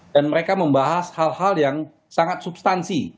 dan mereka membahas hal hal yang sangat substansi